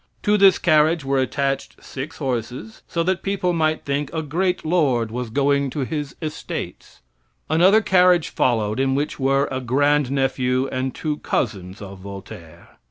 To this carriage were attached six horses, so that people might think a great lord was going to his estates. Another carriage followed in which were a grand nephew and two cousins of Voltaire.